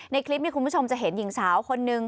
ในคลิปนี้คุณผู้ชมจะเห็นหญิงสาวคนนึง